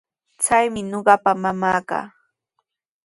Chaymi ñuqapa mamaaqa.